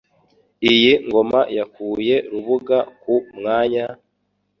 Iyi ngoma yakuye Rubuga ku mwanya,